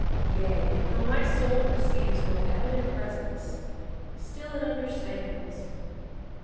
Yea, though my soul perceives No evident presence, still it understands.